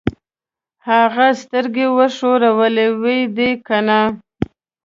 هغه سترګۍ وښورولې: وي دې کنه؟